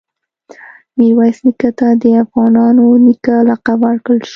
میرویس نیکه ته د “افغانانو نیکه” لقب ورکړل شو.